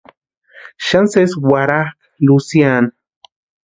Xani sesi warhakʼa Luciana.